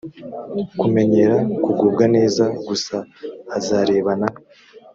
kumenyera kugubwa neza gusa azarebana